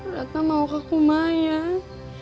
ratna mau ke kumayan